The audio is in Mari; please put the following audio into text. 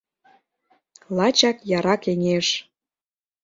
Лачак яра кеҥеж.